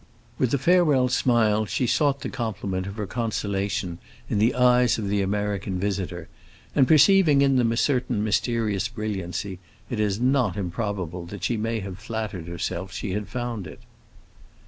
With a farewell smile she sought the complement of her consolation in the eyes of the American visitor, and perceiving in them a certain mysterious brilliancy, it is not improbable that she may have flattered herself she had found it.